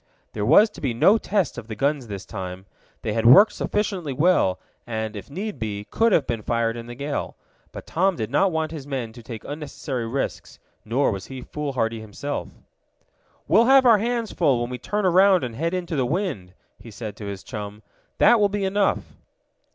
There was to be no test of the guns this time. They had worked sufficiently well, and, if need be, could have been fired in the gale. But Tom did not want his men to take unnecessary risks, nor was he foolhardy himself. "We'll have our hands full when we turn around and head into the wind," he said to his chum. "That will be enough."